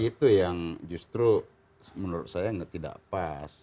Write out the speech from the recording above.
itu yang justru menurut saya tidak pas